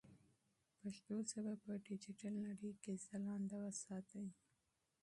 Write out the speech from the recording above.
پښتو ژبه په ډیجیټل نړۍ کې ځلانده وساتئ.